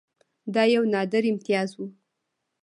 دا یو نادر امتیاز وو.